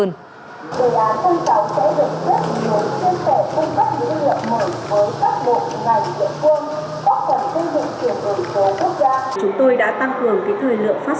đề án sáu sẽ được rất nhiều chuyên tệ cung cấp lưu lượng mở với các bộ ngành liên quân